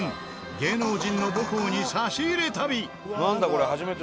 芸能人の母校に差し入れ旅。